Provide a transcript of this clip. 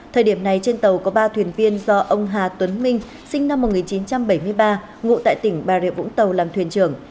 thời điểm này trên tàu có ba thuyền viên do ông hà tuấn minh sinh năm một nghìn chín trăm bảy mươi ba ngụ tại tỉnh bà rịa vũng tàu làm thuyền trưởng